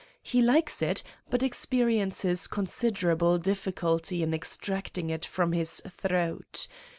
He likes it but experiences considerable difficulty in extracting it from his throat.